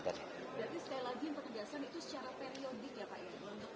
jadi sekali lagi yang kutugasan itu secara periodik ya pak